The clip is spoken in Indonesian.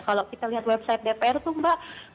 kalau kita lihat website dpr tuh mbak